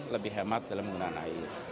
lebih hemat dalam menggunakan air